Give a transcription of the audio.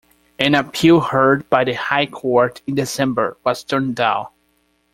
An appeal heard by the High Court in December was turned down.